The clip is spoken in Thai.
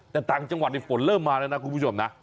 แต่ต่างจังหวัดฝนเริ่มมาแล้วนะคุณผู้ชมนะ